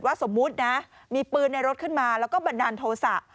ถ้าสมมุตินะมีปืนในรถขึ้นมาแล้วก็บรรดาโนซา